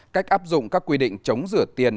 cách áp dụng các quy định chống rửa tiền